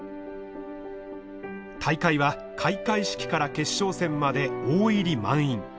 大会は開会式から決勝戦まで大入り満員。